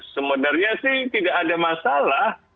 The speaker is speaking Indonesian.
sebenarnya sih tidak ada masalah